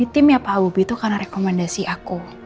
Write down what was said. itu intim ya pak abubi karena rekomendasi aku